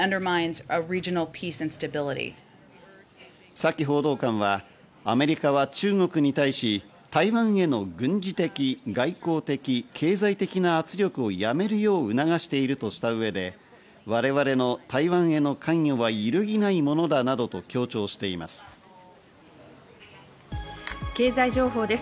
サキ報道官はアメリカは中国に対し台湾への軍事的・外交的・経済的な圧力をやめるよう促しているとした上で、我々の台湾への関与は揺るぎないものだなどと強調しています。